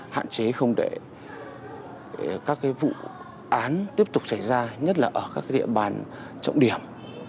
hạn chế không để các vụ án tiếp tục xảy ra nhất là ở các địa bàn trọng điểm